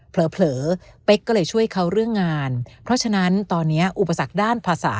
เผลอเป๊กก็เลยช่วยเขาเรื่องงานเพราะฉะนั้นตอนนี้อุปสรรคด้านภาษา